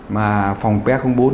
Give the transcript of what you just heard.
mà phòng p bốn